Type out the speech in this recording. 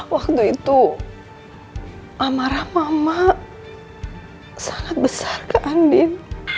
waktu itu amarah mama sangat besar ke andin